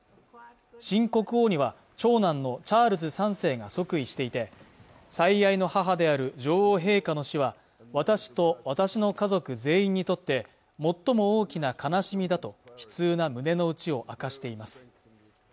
新国王には長男のチャールズ３世が即位していて最愛の母である女王陛下の死は私と私の家族全員にとって最も大きな悲しみだと悲痛な胸の内を明かしています